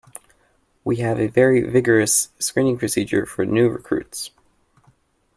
We have a very vigorous screening procedure for new recruits.